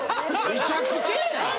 めちゃくちゃやな。